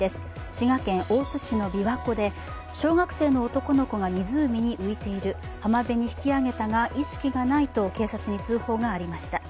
滋賀県大津市の琵琶湖で、小学生の男の子が湖に浮いている浜辺に引き揚げたが意識がないと警察に通報がありました。